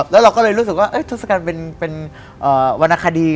แล้วเราก็เลยรู้สึกว่าทศกัณฐ์เป็นวรรณคดี